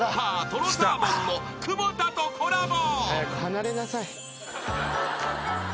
とろサーモンの久保田とコラボ］